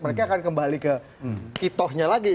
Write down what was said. mereka akan kembali ke kitohnya lagi